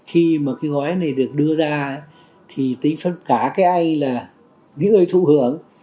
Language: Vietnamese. khi mà cái gói này được đưa ra thì tính cả cái ai là những người thụ hưởng